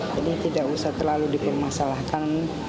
jadi tidak usah terlalu dipermasalahkan